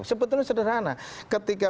sebetulnya sederhana ketika